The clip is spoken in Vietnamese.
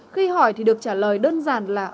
khi hỏi thì được trả lời đơn giản là